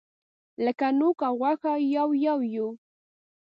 لکه نوک او غوښه یو یو یوو.